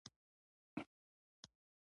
پنځوس غړو ملګرو ملتونو منشور امضا کړ.